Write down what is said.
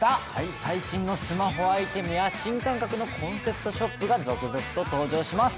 最新のスマホアイテムや新感覚のコンセプトショップが続々と登場します。